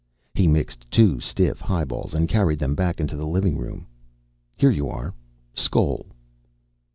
He mixed two stiff highballs and carried them back into the living room. "Here you are. Skoal."